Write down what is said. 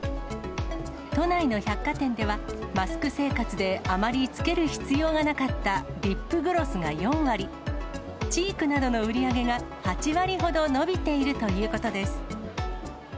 都内の百貨店では、マスク生活で、あまりつける必要がなかったリップグロスが４割、チークなどの売り上げが８割ほど伸びているということです。